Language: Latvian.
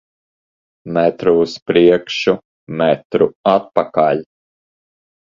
Metru uz priekšu, metru atpakaļ.